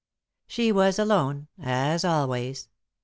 She was alone, as always.